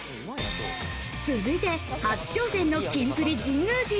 続いて初挑戦のキンプリ神宮寺。